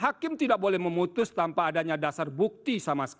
hakim tidak boleh memutus tanpa adanya dasar bukti sama sekali